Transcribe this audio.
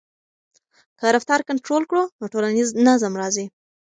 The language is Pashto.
که رفتار کنټرول کړو نو ټولنیز نظم راځي.